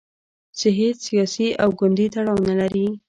چې هیڅ سیاسي او ګوندي تړاو نه لري.